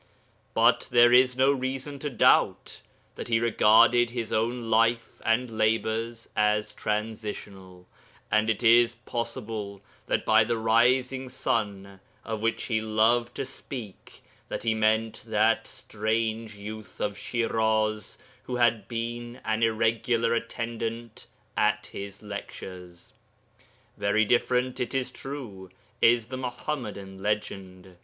But there is no reason to doubt that he regarded his own life and labours as transitional, and it is possible that by the rising sun of which he loved to speak he meant that strange youth of Shiraz who had been an irregular attendant at his lectures. Very different, it is true, is the Muḥammadan legend.